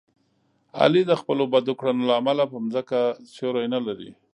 علي د خپلو بدو کړنو له امله په ځمکه سیوری نه لري.